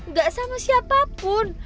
gak sama siapapun